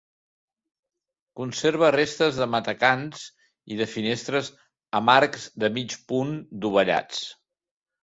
Conserva restes de matacans i de finestres amb arcs de mig punt dovellats.